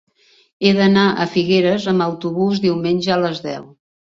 He d'anar a Figueres amb autobús diumenge a les deu.